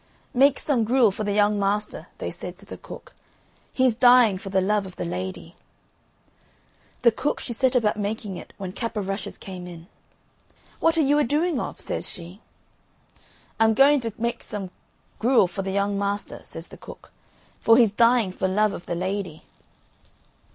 "Make some gruel for the young master," they said to the cook. "He's dying for the love of the lady." The cook she set about making it when Cap o' Rushes came in. "What are you a doing of?", says she. "I'm going to make some gruel for the young master," says the cook, "for he's dying for love of the lady."